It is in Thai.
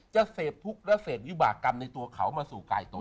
จะเสพทุกข์และเสพวิบากรรมในตัวเขามาสู่กายตน